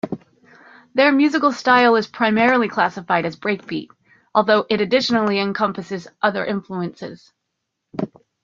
Their musical style is primarily classified as breakbeat, although it additionally encompasses other influences.